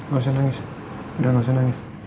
gak usah nangis udah gak usah nangis